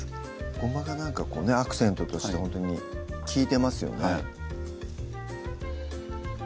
ごまがなんかアクセントとしてほんとに利いてますよね